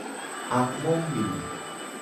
Angome.